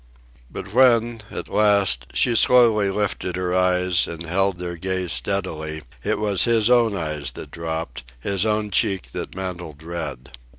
But when, at last, she slowly lifted her eyes and held their gaze steadily, it was his own eyes that dropped, his own cheek that mantled red.